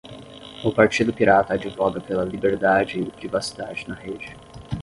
O Partido Pirata advoga pela liberdade e privacidade na rede